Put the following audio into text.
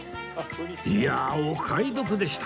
いやあお買い得でした